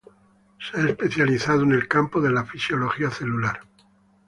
Se ha especializado en el campo de la Fisiología celular.